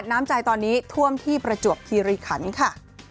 น้ำใจตอนนี้ท่วมที่ประจวบคีริขันค่ะ